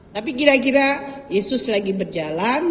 tapi kira kira yesus lagi berjalan